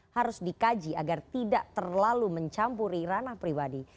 harus dikaji agar tidak terlalu mencampuri ranah pribadi